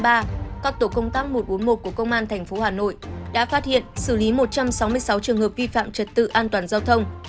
các tổ công tác một trăm bốn mươi một của công an tp hà nội đã phát hiện xử lý một trăm sáu mươi sáu trường hợp vi phạm trật tự an toàn giao thông